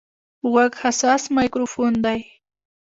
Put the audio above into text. غوږ حساس مایکروفون دی.